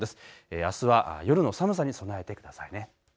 あすは夜の寒さに備えてくださいね。